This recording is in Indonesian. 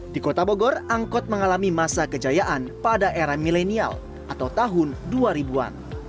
di kota bogor angkot mengalami masa kejayaan pada era milenial atau tahun dua ribu an